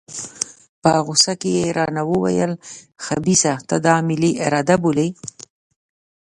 په غوسه کې یې راته وویل خبیثه ته دا ملي اراده بولې.